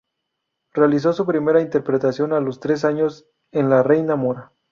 Realizó su primera interpretación a los tres años en "La reina mora".